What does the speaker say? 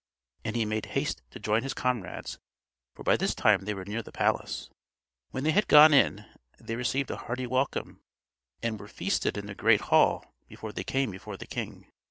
And he made haste to join his comrades, for by this time they were near the palace. When they had gone in, they received a hearty welcome, and were feasted in the great hall before they came before the king.